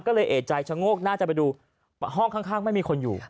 ก็เลยเอกใจชะโงกหน้าจะไปดูห้องข้างไม่มีคนอยู่